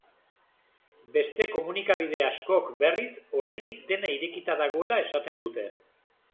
Beste komunikabide askok, berriz, oraindik dena irekita dagoela esaten dute.